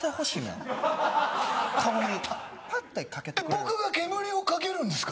僕が煙をかけるんですか？